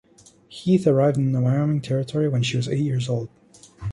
Heath arrived in the Wyoming territory when she was eight years old.